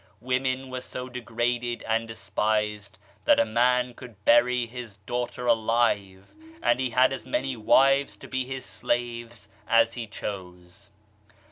Women were so degraded and despised that a man could bury his daughter alive, and he had as many wives to be his slaves as he chose.